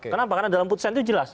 kenapa karena dalam putusan itu jelas